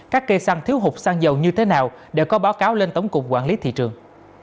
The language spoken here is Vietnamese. các cây xăng thiếu hụt xăng dầu như thế nào để có báo cáo lên tổng cục quản lý thị trường